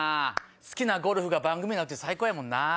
好きなゴルフが番組になるって最高やもんな。